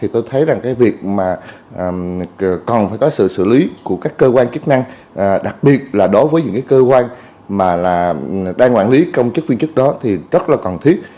tôi thấy việc còn phải có sự xử lý của các cơ quan chức năng đặc biệt là đối với những cơ quan đang quản lý công chức viên chức đó thì rất là cần thiết